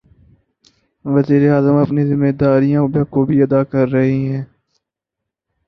وزیر اعظم اپنی ذمہ داریاں بخوبی ادا کر رہے ہیں۔